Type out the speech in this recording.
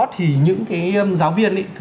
thì những cái giáo viên